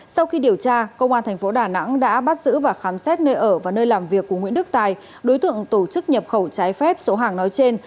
sau khi điều tra công an thành phố đà nẵng đã bắt giữ và khám xét nơi ở và nơi làm việc của nguyễn đức tài đối tượng tổ chức nhập khẩu trái phép số hàng nói trên